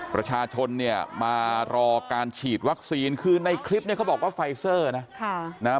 ประชาชนเนี่ยมารอการฉีดวัคซีนคือในคลิปเนี่ยเขาบอกว่าไฟเซอร์นะ